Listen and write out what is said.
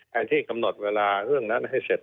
ไอ้ที่กำหนดเวลาเรื่องนั้นให้เสร็จ